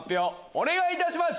お願いいたします！